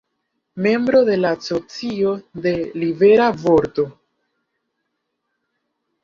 Membro de la Asocio de Libera Vorto.